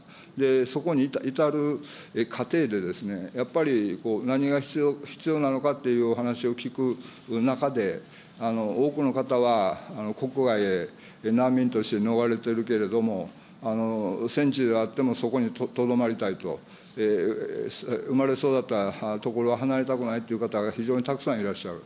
そこに至る過程で、やっぱり何が必要なのかっていうお話を聞く中で、多くの方は国外へ難民として逃れているけれども、戦地であってもそこにとどまりたいと、生まれ育った所を離れたくないという方が非常にたくさんいらっしゃる。